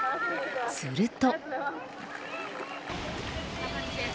すると。